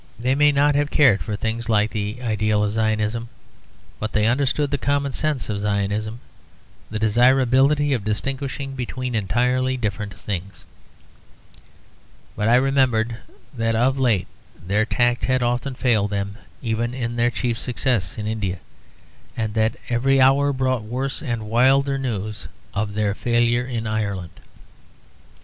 They may not have cared for things like the ideal of Zionism; but they understood the common sense of Zionism, the desirability of distinguishing between entirely different things. But I remembered that of late their tact had often failed them even in their chief success in India; and that every hour brought worse and wilder news of their failure in Ireland.